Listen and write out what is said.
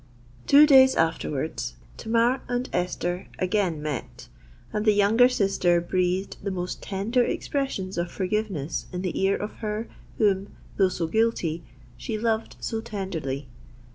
Two days afterwards Tamar and Esther again met; and the younger sister breathed the most tender expressions of forgiveness in the ear of her whom, though so guilty, she loved so tenderly.